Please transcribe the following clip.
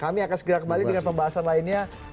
kami akan segera kembali dengan pembahasan lainnya